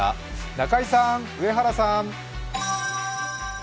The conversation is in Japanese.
中居さん、上原さん。